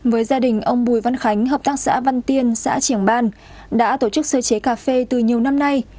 với gia đình ông bùi văn khánh hợp tác xã văn tiên xã triềng ban đã tổ chức sơ chế cà phê từ nhiều năm nay